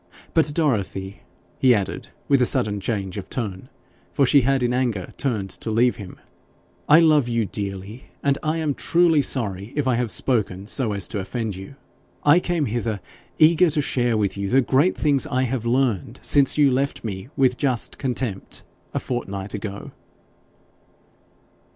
But, Dorothy,' he added, with sudden change of tone, for she had in anger turned to leave him, 'I love you dearly, and I am truly sorry if I have spoken so as to offend you. I came hither eager to share with you the great things I have learned since you left me with just contempt a fortnight ago.'